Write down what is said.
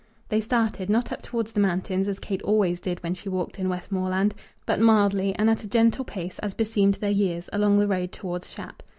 They started, not up towards the mountains, as Kate always did when she walked in Westmoreland, but mildly, and at a gentle pace, as beseemed their years, along the road towards Shap.